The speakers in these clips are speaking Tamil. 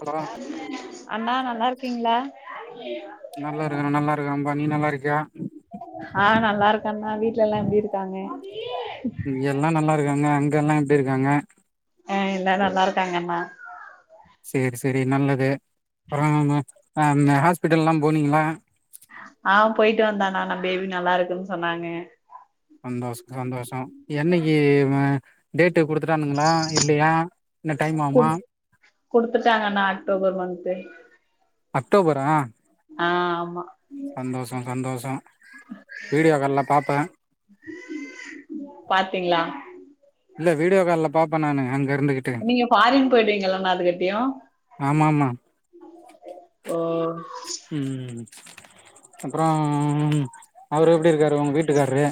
ஹலோ அண்ணா நல்லா இருக்கீங்ளா நல்லா இருக்குறே நல்லா இருக்கேம்பா நீ நல்லா இருக்கியா ஆ நல்லா இருக்கண்ணா. வீட்ல எல்லா எப்டி இருக்காங்க? இங்கி எல்லா நல்லா இருக்காங்க. அங்க எல்லா எப்டி இருக்காங்க? ஆ எல்லா நல்லாருக்காங்கண்ணா. சேரி சேரி நல்லது. அப்புறனு அ ந ஹாஸ்பிட்டல்லாம் போனீங்களா? ஆ போயிட்டு வந்தணா ந பேபி நல்லாருக்குன் சொன்னாங்க. சந்தோஷ் சந்தோஷோ. என்னக்கி ம டேட்டு குடுத்துட்டானுங்களா இல்லியா இன்னு டைம் ஆவுமா? குடு குடுத்துட்டாங்கண்ணா அக்டோபர் மந்த்து. அக்டோபரா? ஆ ஆமா. சந்தோஷோ சந்தோஷோ. வீடியோ கால்ல பாப்பே. பாத்திங்ளா? இல்ல வீடியோ கால்ல பாப்ப நானு. அங் நீங்க ஃபாரின் போயிடுவீங்க இல்லண்ணா அதுகட்டியு? ஆமா ஆமா ஓ. ம் அப்புறோ அவுரு எப்டி இருக்காரு உங்க வீட்டுக்கார்ரு.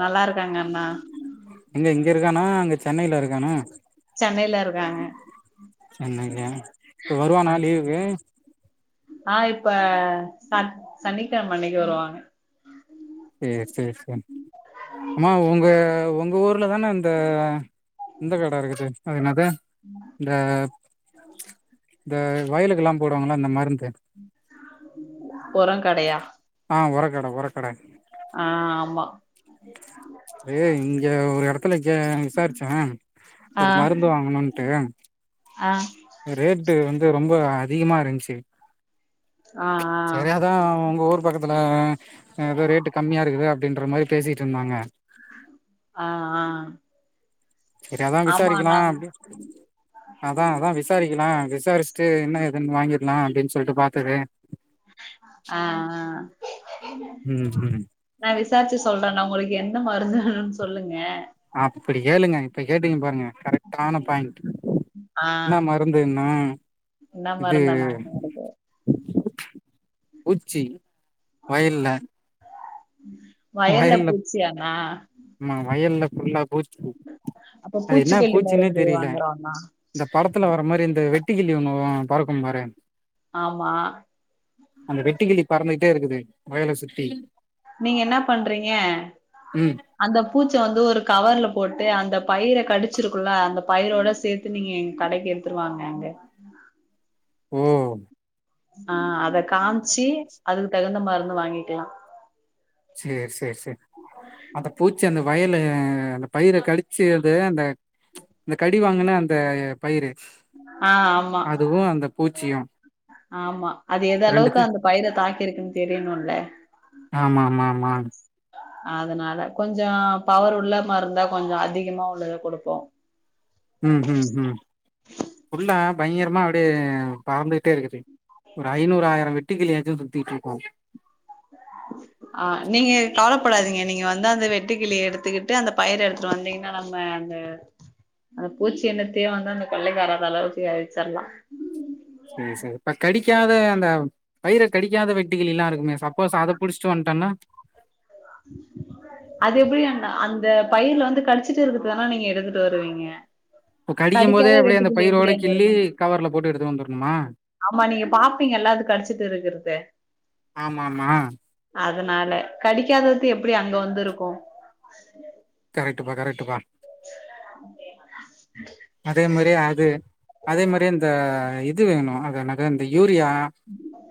நல்லாருக்காங்க அண்ணா. எங்க இங்க இருக்கானா அங்க சென்னையில இருக்கானா? சென்னையில இருக்காங்க. சென்னையிலயா இப்ப அ வருவானா லீவுக்கு ஆ இப்ப சட் சன்னிக்கெழம அன்னிக்கு வருவாங்க. சே சே சே ஆமா உங்க உங்க ஊர்ல தான அந்த இந்த கட இருக்குது அது என்னாது இந்த இந்த வயலுக்கல்லாம் போடுவாங்கள இந்த மருந்து. ஒரொங் கடையா? ஆ ஒர கட ஒர கட. ஆ ஆமா. அது இங்க ஒரு எடத்துல ஜா விசாரிச்சே ஒரு மருந்து வாங்கணுன்ட்டு. அ ரேட்டு வந்து ரொம்ப அ அதிகமா இருஞ்ச்சு. ஆ சேரி அதா உங்க ஊரு பக்கத்துல அ ப ரேட்டு கம்மியா இருக்குது அப்டின்ற மாரி பேசிட்ருந்தாங்க. ஆ ஆ ஆ சேரி அதா ஆமா விசாரிக்கலா நாங் அப்டி அதா அதா விஸ் சாரிக்கலா விசாரிச்ட்டு என்ன எதுன் வாங்கிர்லா அப்டின் சொல்ட்டு பாத்தது. அ அ ம் ம். நா விசாரிச்சு சொல்ற நா உங்குளுக்கு எந்த மருந்து வேணுன் சொல்லுங்க. அ அப்பிடி கேளுங்க இப்ப கேட்டிங்க பாருங்க கரெக்ட்டான பாய் ஆ என்னா மருந்துன்னா என்ன இது மருந்தண்ணா இருக்கு பூச்சி வயல்ல. வயல்ல பூச்சியாணா? ஆமா வயல்ல ஃபுல்லா பூச்சி அப்ப அது என்னா பூச்சிக்கொல்லி பூச்சினே மருந்து தெரில. வாங்குறோ அண்ணா இந்த படத்துல வர மாரி இந்த வெட்டுகிளி ஒன்னு பறக்கும் பாரு. ஆமா. அந்த வெட்டுகிளி பறந்துகிட்டே இருக்குது வயல சுத்தி. நீங்க என்ன பண்றீங்க ம் அந்த பூச்ச வந்து ஒரு கவர்ல போட்டு அந்த பயிர கடிச்சிருக்குல அந்த பயிரோட சேத் து நீங்க எங்க கடைக்கி எடுத்துட்டு வாங்க அங்க ம் ஆ அத காம்ச்சி அதுக்கு தகுந்த மருந்து வாங்கிக்கலா சேர் சேர் சேர் அந்த பூச்சி அந்த வயலு அந்த பயிர கடிச்சது அந்த இந்த கடி வாங்கினா அந்த பயிரு ஆ ஆமா அதுவு அந்த பூச்சியு ஆமா அது எது அளவுக்கு ரெண்டுத்து அந்த பயிர தாக்கிருக்குன்னு தெரியணுன்ல ஆமா ஆமா ஆமா அதனால கொஞ்சோ பவர் உள்ள மருந்தா கொஞ்சோ அதிகமா உள்ளத கொடுப்போ ம் ம் ம் ஃபுல்லா பயங்கரமா அப்டியே பறந்துகிட்டே இருக்குது ஒரு ஐநூறு ஆயிரோ வெட்டுக்கிளியாச்சு சுத்திட்டுருக்கு ஆ நீங்க கவலப்படாதீங்க நீங்க வந்து அந்த வெட்டு கிளிய எடுத்துக்கிட்டு அந்த பயிர எடுத்துட்டு வந்தீங் நம்ம அந்த அந்த பூச்சி எனத்தையே வந்து அந்த கொள்ளைக்கி வராத அளவுக்கு அளிச்சர்லா சேரி சேரி இப்ப கடிக்காத அந்த பயிர கடிக்காத வெட்டிகிளிலா இருக்குமே சாப் சப்போஸ் அத புடுச்சிட்டு வன்ட்டனா அது எப்டி அண்ணா அந்த பயிர்ல வந்து கடிச்சிட்டு இருக்குறதுதானா நீங்க எடுத்துட்டு வருவீங்க இப்ப கடிக்கும் போதே கடிக்காத அப்டியே அந்த வெட்டுக்கிளி பயிரோட எப்டி அங்க கிள்ளி இருக்கு கவர்ல போட்டு எடுத்துட்டு வந்துரணுமா ஆமா நீங்க பாப்பீங்கல்ல அது கடிச்சிட்டு இருக்கறது ஆமா ஆமா அதனால கடிக்காதது எப்டி அங்க வந்து இருக்கு கரெக்ட்டுப்பா கரெக்ட்டுப்பா அதே மாரி அது அதே மாரி இந்த இது வேணு அது என்னது இந்த யூரியா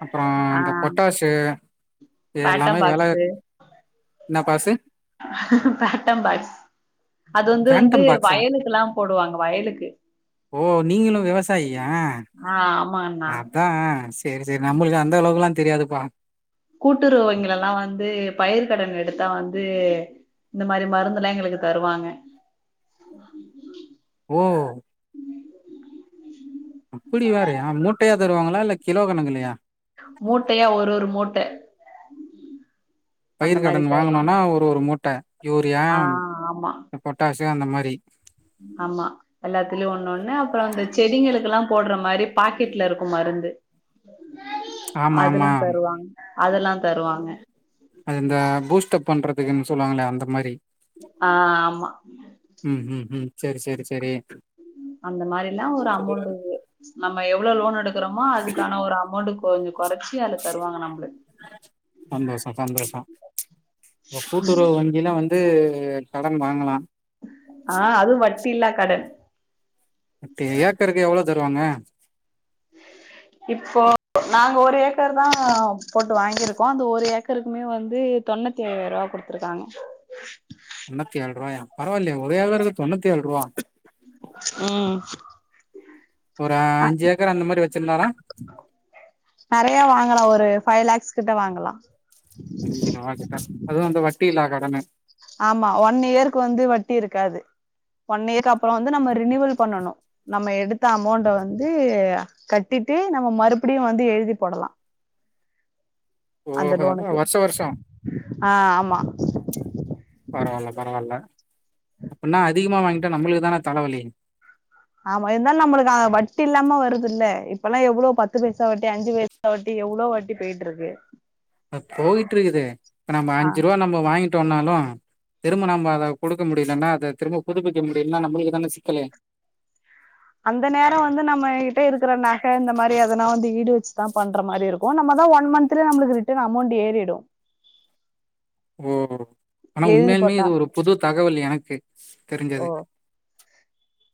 அப்றோ ஆ இந்த பொட்டாசு இது எல்லாமே வில பேட்டம்பாட்ஸ் அது வந்து வந்து ஃபேண்டம் பாக்ஸா வயலுக்கெல்லா வந்து போடுவாங்க வயலுக்கு ஓ நீங்களு விவசாயியா ஆ ஆமாண் அதா சேர் சேரி நம்முளுக்கு அந்த அளவுக்கெலா தெரியாதுப்பா கூட்டுறவு வங்கிலலா வந்து பயிர்கடன் எடுத்தா வந்து இந்த மாரி மருந்துலா எங்களுக்கு தருவாங்க ஓ அப்டி வேறையா மூட்டையா தருவாங்களா இல்ல கிலோ கணக்குலயா மூட்டையா ஒரு ஒரு மூட்ட அந்த பயிர் மாரி கடன் தருவாங்க வாங்குனோனா ஒரு ஒரு மூட்ட யூரியா ஆ ஆமா பொட்டாசு அந்த மாரி ஆமா எல்லாத்துலயு ஒண்ணு ஒண்ணு அப்றோ இந்த செடிங்களுக்கெல்லா போடுற மாரி பாக்கெட்ல இருக்கு மருந்து ஆமா ஆமா அதுல்லா தருவாங்க அதெல்லா தருவாங்க அது இந்த பூஸ்டப் பண்றதுக்குன்னு சொல்லுவாங்கள அந்த மாரி ஆ ஆமா ம் ம் ம் சேரி சேரி சேரி அந்த மாரில்லா ஒரு அமௌண்ட் இது நம்ம எவ்ளோ லோன் எடுக் குறமோ அதுக்கான ஒரு அமௌண்ட் கொஞ்சோ குறச்சு அதுல தருவாங்க நம்ளு சந்தோஷ இப்ப கூட்டுறவு வங்கியில வந்து கடன் வாங்கலா ஆ அதுவு வட்டியில்லா கடன் இப்ப எ ஏக்கருக்கு எவ்ளோ தருவாங்க இப்போ நாங்க ஒரு ஏக்கர் தா போட்டு வாங்கிருக்கோ அந்த ஒரு ஏக்கருக்குமே வந்து தொண்ணூத்தி எழுபது ரூபா குடுத்துருக்காங்க தொன்னுத்திஏழு ரூவாயா பரவா இல்லயே ஒரு ஏக்கருக்கு தொன்னுத்தி ஏழு ரூவா உம் ஒரு அஞ்சு ஏக்கர் அந்த மாரி வச்சிருந்தாரா நெறைய வாங்கலா ஒரு ஃபைவ் லேக்ஸ் கிட்ட வாங்கலா அஞ்சுணா கிட்ட அது வந்து வட்டி இல்லா கடனு ஆமா ஒன் இயருக்கு வந்து வட்டி இருக்காது ஒன் இயர்கக்கு அப்புறோ வந்து நம்ம ரினிவல் பண்ணணு நம்ம எடுத்த அமௌண்ட வந்து கட்டிட்டு நம்ம மறுபடியு வந்து எழுதி போடலா ஓஹோ அந்த அதா லோனுக்கு வருஷ வருஷம் ஆ ஆமா பரவால்ல பரவால்ல அப்டின்னா அதிகமா வாங்கிட்டா நம்மளுக்கு தான தலவலி ஆமா இருந்தாலு நம்மளுக்கு வட்டி இல்லாம வருது இல்ல இப்பெல்லா எவ்ளோ பத்து பைசா வட்டி அஞ்சு பைச சா வட்டி எவ்ளோ வாட்டி போயிட்டு இருக்கு அ போயிட்டு இருக்குது இப்ப நம்ம ஆ அஞ்சு ரூபா நம்ம வாங்கிட்டோனாலு திரும்ப நம்ம அதை குடுக்க முடியலன்னா அதை திரும்ப புதுப்பிக்க முடியலனா நம்மளுக்கு தான சிக்கலு அந்த நேரோ வந்து நம்மகிட்டே இருக்கிற நகை இந்த மாதிரி எதுனா வந்து ஈடு வச்சுதா பண்ற மாரி தா இருக் கு நம்ம தான் ஒன் மந்த்ல நமளுக்கு ரிட்டர்ன் அமௌண்ட் ஏறிடு ஓ ஆனா எழுதி உண்மையாலுமே போட்டா இது ஒரு புது தகவல் எனக்கு ஓ தெரிஞ்சது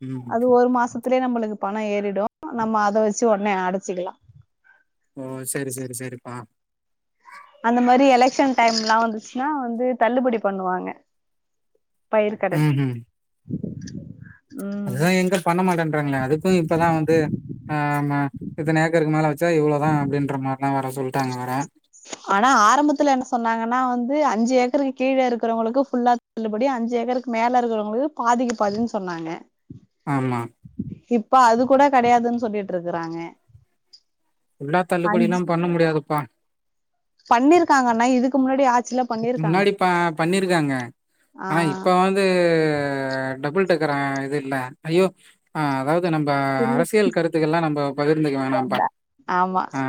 ம் அது ஒரு மாசத்துலயே நம்மளுக்கு பணோ ஏறிடு நம்ம அத வச்சு உடனே அடச்சுடலா ஓ சரி சரி சரிப்பா அந்த மாரி எலெக்க்ஷன் டைம்லா வந்துச்சுன்னா வந்து தள்ளுபடி பண்ணுவாங்க பயிர்கடன் ம் ம் அதுதா எங்க பண்ண மாட்டேன்றாங்களே அதுக்கு இப்பதா வந்து ஆ இத்தனை ஏக்கருக்கு மேல வச்சா இவ்வளோதா அப்டின்ற மாரிலா வேற சொல்லிடாங்க வேற ஆனா ஆரம்பத்துல என்ன சொன்னாங்கனா வந்து அஞ்சு ஏக்கருக்கு கீழே இருக்கறவங்களுக்கு ஃபுல்லா தள்ளுபடி அஞ்சு ஏக்கருக்கு மேல இருக்குறவங்களுக்கு பாதிக்கு பாதின்னு சொன்னாங்க ஆமா இப்ப அது கூட கிடையாதுன்னு சொல்லிட்டு இருக்குறாங்க எல்லா தள்ளுபடிலா பண்ண முடியாதுப்பா பண்ணிருக்காங்கன்னா இதுக்கு முன்னாடி ஆட் இதுக்கு முன்னாடி பா பண்ணிருக்காங்க ஆ ஆனா இப்ப வந் இது டபுள் டக்கரு இது இல்ல ஐயோ அதாவது நம்ப இல்ல அரசியல் கருத்துக்கள்லா நம்ப பகிர்ந்தக்க வேணாப்பா வேண்டா ஆமா ஆ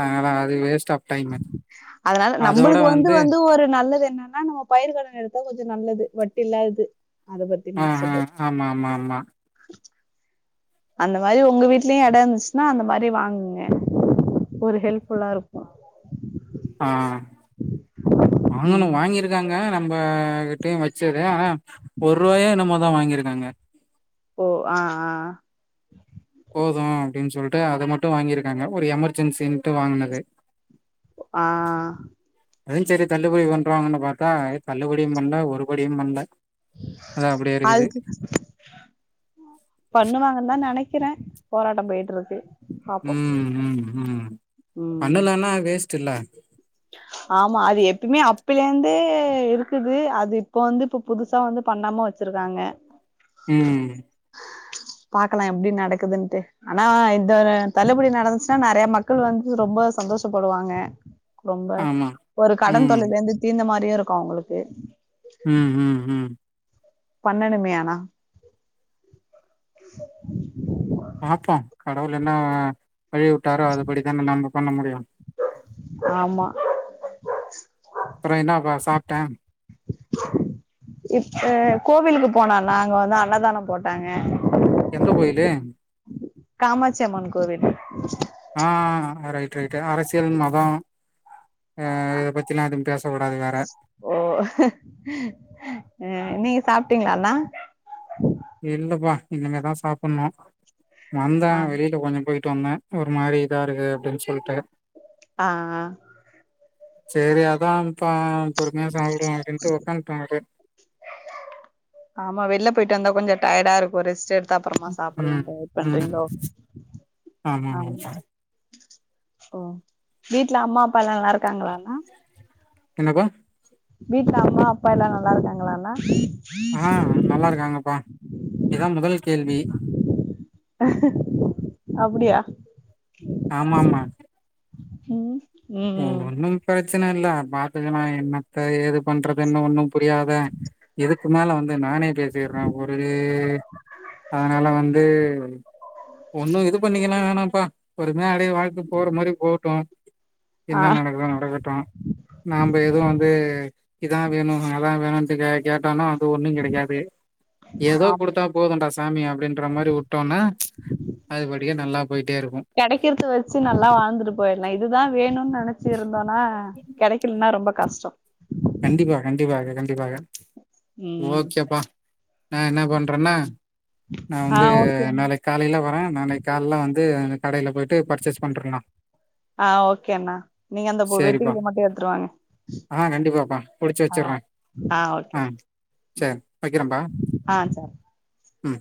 ஆ அதா அது வேஸ்டா ஆஃப் டைம் அதனால நம்மளுக்கு வந்து வந்து ஒரு நல்லது என்னன்னா நம்ம பயிர்கடன் எடுத்தா கொஞ்சோ நல்லது வட்டி இல்லாதது அத பத்தி ஆ மட்டு ஹ சொல்லு ஆமா ஆமா ஆமா அந்த மாரி உங்க வீட்லயு எட இருந்துச்சுன்னா அந்த மாரி வாங்குங்க ஒரு ஹெல்ப்ஃபுல்லா இருக்கு ஆ வாங்கணு ம் வாங்கிருக் இருக்காங்க நம்மகிட்டயு வச்சது ஆனா ஒரு ரூபாயா என்னமோதா வாங்கிருக்காங்க ஓ ஆ ஆ போதும் அப்டின் சொல்ட்டு அதை மட்டு வாங்கியிருக்காங்க ஒரு எமர்ஜென்சின்ட்டு வாங்குனது ஆ அதுவு சரி தள்ளுபடி பண்ருவாங்கன் பாத்தா தள்ளுபடியு பண்ல ஒருபடியு பண்ல அது அப்டியே இருக்குது பண்ணுவாங்கன்தா நெனைக்கிறே போராட்டம் போயிட்டு இருக்கு பாப்போ ம் ம் ம் ம் பண்ணலனா வேஸ்ட்ல்ல ஆமா அது எப்பயுமே அப்பில இருந்து இருக்குது அது இப்போ வந்து இப்ப புதுசா வந்து பண்ணாம வச்சிருக்காங்க ம் பாக்கலா எப்டி நடக்குதுன்ட்டு ஆனா இந்த தள்ளுபடி நடந்துச்சுன்னா நிறைய மக்கள் வந்து ரொம்ப சந்தோஷப்படுவாங்க ரொம்ப ஆமா. ஒரு கடன் ம். தொல்லைலருந்து தீந்த மாரியு இருக்கு அவங்களுக்கு ம் ம் ம் பண்ணனுமே ஆனா பாப்போ கடவுள் என்ன வழி விட்டாரோ அதுபடிதான நம்ம பண்ண முடியு ஆமா பிற என்னாப்பா சாப்ட இப்ப கோவிலுக்கு போனோ நாங்க வந்து அன்னதான போட்டாங்க எந்த கோயிலு கமாச்சி அம்மன் கோவில் ஆ ரைட் ரைட் அரசியல் மத ஆ இத பத்திலா எதுவு பேசக் கூடாது வேற ஓ நீங்க சாப்ட்டீங்களாண்ணா இல்லப்பா இனிமேதா சாப்ட்ணு வந்தா ஆ வெளில கொஞ்சோ போயி ட்டு வந்த ஒரு மாரி இதா இருக்கு அப்டின் சொல்ட்டு ஆ ஆ சரி அதாம்ப்பா பொறுமையா சாப்டுவோ அப்டின்ட்டு உக்கான்ட்ட அப்டியே ஆமா வெளில போயிட்டு வந்தா கொஞ்ச டயர்டா இருக்கு ரெஸ்ட் அதா அப்பறமா ம், சாப்ட்லான்ட்டு வெயிட் ம். பண்றீங்களோ ஆ ஆமாமாமா. ஓ வீட்ல அம்மா அப்பாலா நல்லாருக்காங்களாண்ணா என்னக்கா வீட்ல அம்மா அப்பா எல்லா நல்லா இருக்காங்களாண்ணா ஆ நல்லா இருக்காங்கப்பா இதா முதல் கேள்வி அப்டியா ஆமா மா ம் ம் ஒன்னு பிரச்சனை இல்ல பாத்துக்கலா என்னத்த ஏது பண்றதுன்னு ஒன்னு புரியாத இதுக்கு மேல வந்து நானே பேச பேய்ற ஒரே அதனால வந்து ஒன்னு இது பண்ணிகலா வேணாப்பா பொறுமையா அப்டியே வாழ்க்க போற மாரி போட்டும் ஆ என்ன நடக்குதோ நடக்கட்டு நாம எதுவும் வந்து இதான் வேணு அதான் வேணான்ட் டு கேட்டான ப்போ ஒன்னும் கிடைக்காது ஏதோ ஆம் குடுத்தா போதுண்டா சாமி அப்டின்ற மாதிரி வுட்டோன்னா அது படியே நல்லா போயிட்டே இருக்கும் கிடைக்கிறது வச்சு நல்லா வாழ்ந்துட்டு போயிடுலாம் இதுதான் வேணு நினைச்சு இருந்தோனா கிடைக்கலனா ரொம்ப கஷ்டம் கண்டிப்பா கண்டிப்பாக கண்டிப்பாக ம் ஓகேப்பா நான் என்ன பண்றேன்னா நான் ஆ வந்து ஓகே நாளை காலையில வரே நாளைக்கு கால்ல வந்து கடையில போயிட்டு பர்ச்சேஸ் பண்றலாம் ஆ ஓகே அண்ணா நீங்க அந்த போ வெட்டி சேரிப்பா இத மட்டும் எடுத்துட்டுவாங்க ஆ கண்டிப்பாப்பா புடிச்சு வச்சுடுற ஆ சேரி வைக்கிறேன்பா ஆ சரி ம்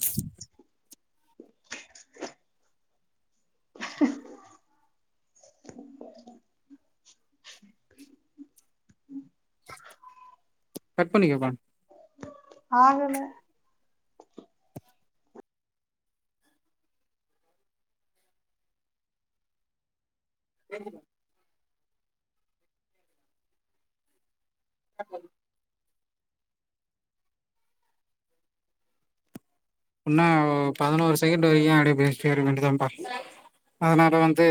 கட் பண்ணிக்க பா ஆகல ம் [inaudible] அ உம் இன்னோ பதினோரு செகண்ட் வரைக்கும் அப்டியே பேசிக்கிட்டே இருக்க வேண்டியதுதான் பா அதனால வந்து